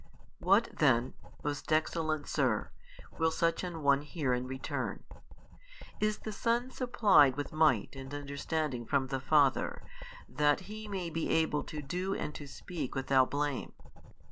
|608 What then, most excellent sir (will such an one hear in return), is the Son supplied with might and understanding from the Father, that He may be able to do and to speak without blame?